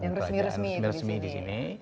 yang resmi resmi di sini